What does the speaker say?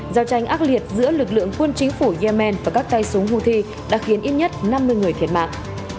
giao tranh ác liệt giữa lực lượng quân chính phủ yemen và các tay súng houthi đã khiến ít nhất năm mươi người thiệt mạng